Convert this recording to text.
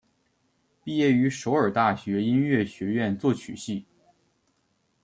毕业于首尔大学音乐学院作曲系。